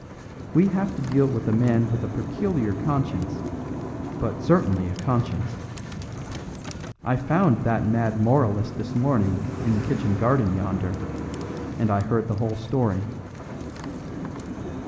We have to deal with a man with a peculiar conscience, but certainly a conscience. I found that mad moralist this morning in the kitchen garden yonder, and I heard the whole story.